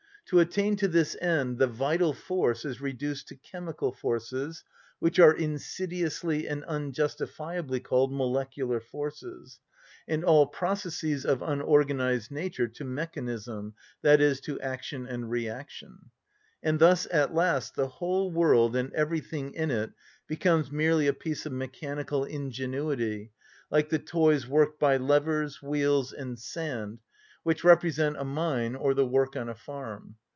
To attain this end the vital force is reduced to chemical forces (which are insidiously and unjustifiably called molecular forces), and all processes of unorganised nature to mechanism, i.e., to action and reaction. And thus at last the whole world and everything in it becomes merely a piece of mechanical ingenuity, like the toys worked by levers, wheels, and sand, which represent a mine or the work on a farm.